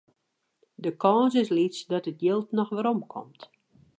De kâns is lyts dat it jild noch werom komt.